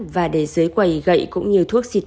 và để dưới quầy gậy cũng như thuốc xịt